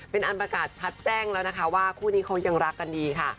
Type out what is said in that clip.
เป็นอันประกาศพัดแจ้งแล้วนะคะว่าคู่นี้เขายังรักกันดีค่ะ